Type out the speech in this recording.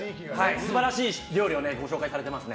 素晴らしい料理をご紹介してますね。